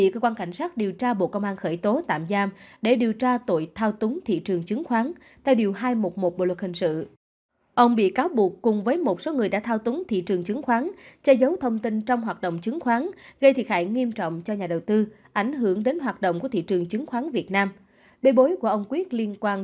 cơ quan cảnh sát điều tra công an tp hcm đã ra quyết định số ba trăm năm mươi qd về việc khởi tố bị can lệnh bắt bị can lệnh bắt bị can